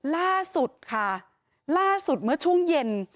ล่าสุดค่ะล่าสุดเมื่อช่วงเย็น